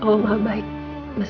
terima kasih mbak mbak